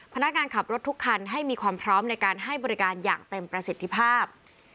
พนักงานขับรถทุกคันให้มีความพร้อมในการให้บริการอย่างเต็มประสิทธิภาพ